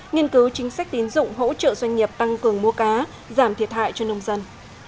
nghiên cứu chính sách tín dụng hỗ trợ doanh nghiệp tăng cường mua cá giảm thiệt hại cho nông dân